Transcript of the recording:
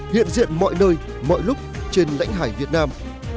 hiện diện mọi nơi mọi lúc trên lãnh hải việt nam